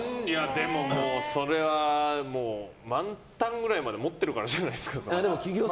でも、それは満タンぐらいまで持ってるからじゃないですか。